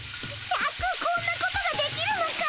シャクこんなことができるのかい？